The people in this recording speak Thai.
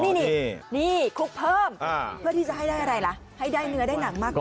นี่นี่คลุกเพิ่มเพื่อที่จะให้ได้อะไรล่ะให้ได้เนื้อได้หนังมากกว่า